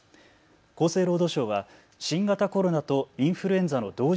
厚生労働省は新型コロナとインフルエンザの同時